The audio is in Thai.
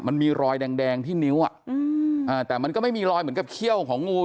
มันมีรอยแดงที่นิ้วแต่มันก็ไม่มีรอยเหมือนกับเขี้ยวของงู